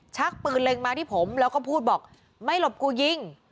ชักปืนเล็งมาที่ผมแล้วก็พูดบอกไม่หลบกูยิง